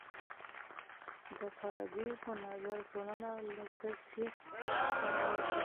د فارابي په نظر ټولنه له څه سي سره ورته ده؟